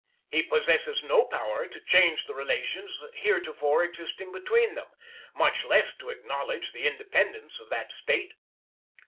He possesses no power to change the relations heretofore existing between them, much less to acknowledge the independence of that State."